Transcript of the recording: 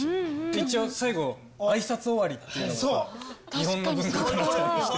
一応最後挨拶終わりっていうのはやっぱ日本の文化かなと思いまして。